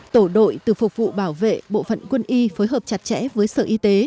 tổ đội từ phục vụ bảo vệ bộ phận quân y phối hợp chặt chẽ với sở y tế